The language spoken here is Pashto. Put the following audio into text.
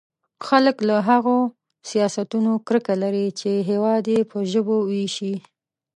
خلک له هغو سیاستونو کرکه لري چې هېواد يې په ژبو وېشي.